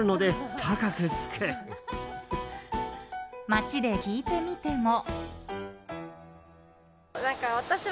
街で聞いてみても。